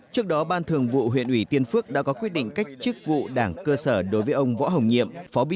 trước đó ban thường vụ huyện ủy tiên phước đã có quyết định cách chức vụ đảng cơ sở đối với ông võ hồng nhiệm